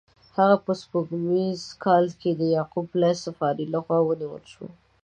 هغه په سپوږمیز کال کې د یعقوب لیث صفاري له خوا ونیول شو.